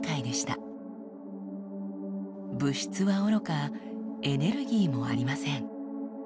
物質はおろかエネルギーもありません。